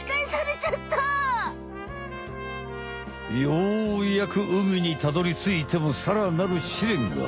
ようやく海にたどりついてもさらなる試練が。